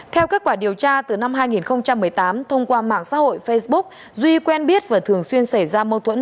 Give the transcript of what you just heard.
theo kết quả điều tra từ năm hai nghìn một mươi tám thông qua mạng xã hội facebook duy quen biết và thường xuyên xảy ra mâu thuẫn